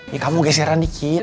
ya kamu geseran dikit